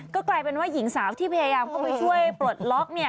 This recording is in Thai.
ก็กลายเป็นว่าหญิงสาวที่พยายามเข้าไปช่วยปลดล็อก